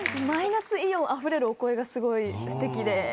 マイナスイオンあふれるお声がすごいすてきで。